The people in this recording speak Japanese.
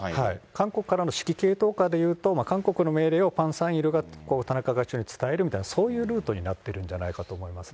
韓国からの指揮系統下でいうと、韓国の命令をパン・サンイルが田中会長に伝えるみたいな、そういうルートになってるんじゃないかと思いますね。